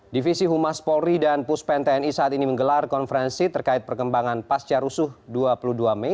divisi humas polri dan puspen tni saat ini menggelar konferensi terkait perkembangan pasca rusuh dua puluh dua mei